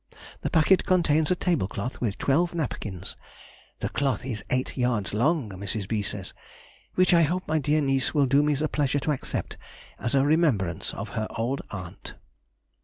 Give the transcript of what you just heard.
The packet contains a tablecloth, with twelve napkins (the cloth is eight yards long, Mrs. B. says), which I hope my dear niece will do me the pleasure to accept as a remembrance of her old aunt.